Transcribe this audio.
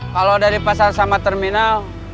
kalau dari pasar sama terminal